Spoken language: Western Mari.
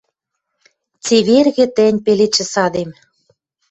Цевергӹ тӹнь, пеледшӹ садем